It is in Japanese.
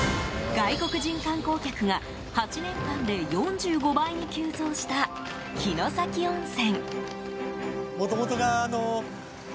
外国人観光客が８年間で４５倍に急増した城崎温泉。